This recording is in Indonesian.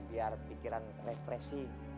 biar pikiran repress sih